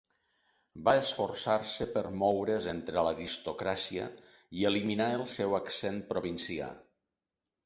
Va esforçar-se per moure's entre l'aristocràcia i eliminar el seu accent provincià.